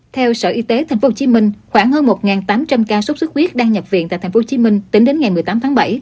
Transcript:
theo sở y tế tp hcm khoảng hơn một tám trăm linh ca sốt xuất huyết đang nhập viện tại tp hcm tính đến ngày một mươi tám tháng bảy